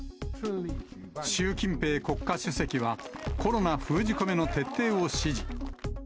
習近平国家主席は、コロナ封じ込めの徹底を指示。